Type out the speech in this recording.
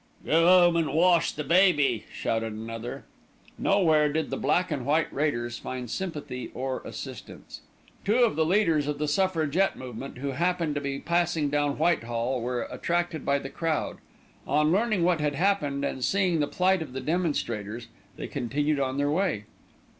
"Go 'ome and wash the baby," shouted another. Nowhere did the Black and White Raiders find sympathy or assistance. Two of the leaders of the Suffragette Movement, who happened to be passing down Whitehall, were attracted by the crowd. On learning what had happened, and seeing the plight of the demonstrators, they continued on their way.